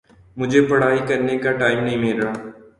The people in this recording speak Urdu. مجھے پڑھائی کرنے کا ٹائم نہیں مل رہا